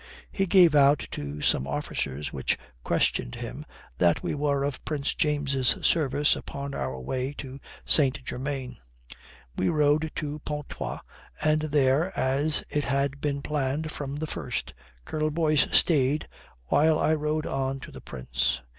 He gave out to some officers which questioned him that we were of Prince James's service upon our way to St. Germain. We rode to Pontoise, and there, as it had been planned from the first, Colonel Boyce stayed while I rode on to the Prince.